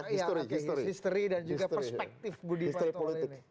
history history dan juga perspektif budi panto ini